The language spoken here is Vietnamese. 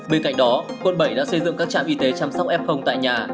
bên cạnh đó quận bảy đã xây dựng các trạm y tế chăm sóc f tại nhà